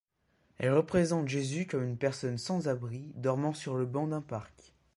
Elle représente Jésus comme une personne sans-abri, dormant sur le banc d'un parc.